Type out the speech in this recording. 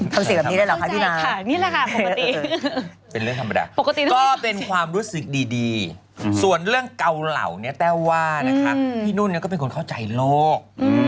ค่ะพี่เป็นเรื่องธรรมดาก็เป็นความรู้สึกดีส่วนเรื่องเกาเหล่าเนี่ยเต้วว่าพี่นุ่นก็เป็นคนเข้าใจโลก